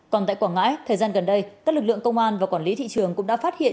còn tại quảng ngãi thời gian gần đây các lực lượng công an và quản lý thị trường cũng đã phát hiện